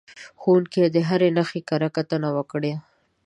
ښوونکي د هرې نښې کره کتنه وکړه.